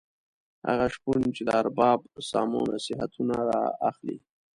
هغه شپون چې د ارباب سامو نصیحتونه را اخلي.